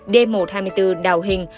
d một trăm hai mươi bốn đào hình